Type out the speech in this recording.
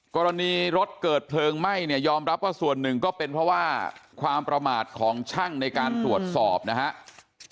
กรณีรถเกิดเพลิงไหม้เนี่ยยอมรับว่าส่วนหนึ่งก็เป็นเพราะว่าความประมาทของช่างในการตรวจสอบนะครับ